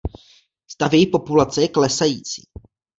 Stav její populace je klesající.